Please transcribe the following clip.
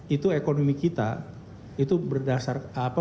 itu ekonomi kita itu berdasar apa